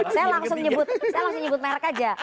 saya langsung nyebut merk aja